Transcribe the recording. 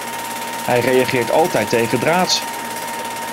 Hij reageert altijd tegendraads.